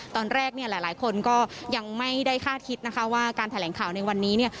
ตอนแรกหลายคนก็ยังไม่ได้คาดคิดว่าการแถลงข่าวในวันนี้